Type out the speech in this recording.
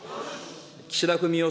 岸田文雄